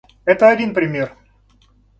Это один пример.